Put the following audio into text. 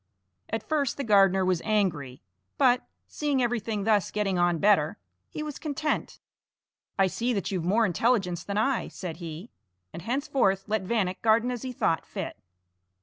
At first the gardener was angry, but, seeing everything thus getting on better, he was content. "I see that you've more intelligence than I," said he, and henceforth let Vanek garden as he thought fit.